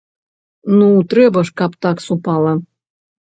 Ну трэба ж, каб так супала!